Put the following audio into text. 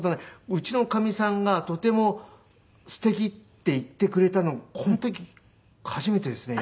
うちのかみさんが「とてもすてき」って言ってくれたのこの時初めてですね。